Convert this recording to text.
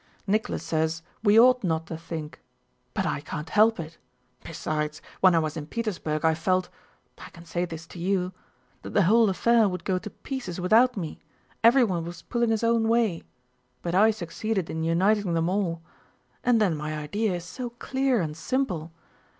"Nicholas says we ought not to think. But I can't help it. Besides, when I was in Petersburg I felt (I can say this to you) that the whole affair would go to pieces without me—everyone was pulling his own way. But I succeeded in uniting them all; and then my idea is so clear and simple.